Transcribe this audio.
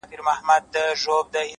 لېونيه خو په څه ډول دې پوه کړي-